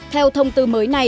theo thông tư mới này